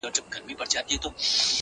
حافظه يې ژوندۍ ساتي تل تل،